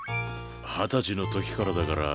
二十歳のときからだから。